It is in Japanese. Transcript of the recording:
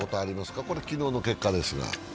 これは昨日の結果ですが。